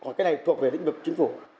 còn cái này thuộc về lĩnh vực chính phủ